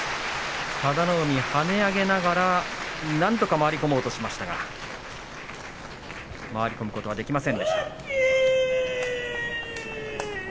佐田の海、跳ね上げながらなんとか回り込もうとしましたが回り込むことができませんでした。